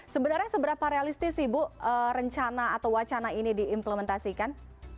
sebenarnya seberapa realistis sih bu rencana atau wacana ini diimplementasikan